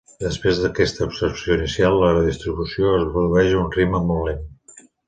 Després d'aquesta absorció inicial, la redistribució es produeix a un ritme molt lent.